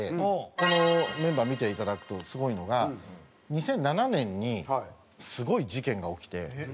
このメンバー見ていただくとすごいのが２００７年にすごい事件が起きて。